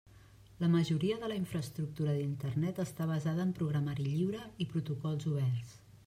La majoria de la infraestructura d'Internet està basada en programari lliure i protocols oberts.